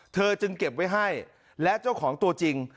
จึงเก็บไว้ให้และเจ้าของตัวจริง